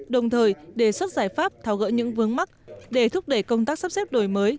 đồng thời đề xuất giải pháp tháo gỡ những vướng mắt để thúc đẩy công tác sắp xếp đổi mới